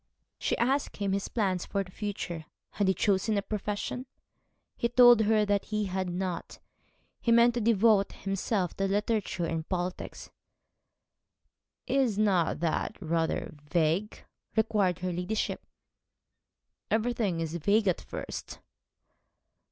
She asked him his plans for the future had he chosen a profession? He told her that he had not. He meant to devote himself to literature and politics. 'Is not that rather vague?' inquired her ladyship. 'Everything is vague at first.'